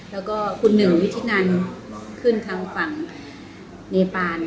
แล้วก็คุณหนึ่งวิธีนันขึ้นทางฝั่งเนปาน